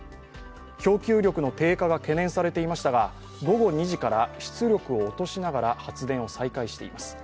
供給力の低下が懸念されていましたが午後２時から出力を落としながら発電を再開しています。